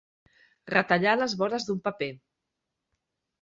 Retallar les vores d'un paper.